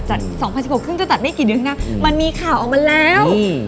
จัด๒๐๑๖ครึ่งจะจัดไม่กี่นึงนะมันมีข่าวออกมาแล้ว